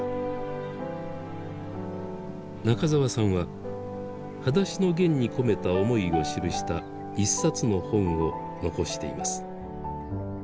中沢さんは「はだしのゲン」に込めた思いを記した一冊の本を残しています。